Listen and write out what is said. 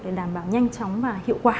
để đảm bảo nhanh chóng và hiệu quả